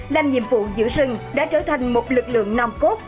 làm nhiệm vụ giữ rừng đã trở thành một lực lượng nòng cốt